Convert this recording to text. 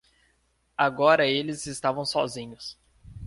Agora eles estavam sozinhos.